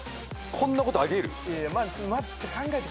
こんなことあり得る？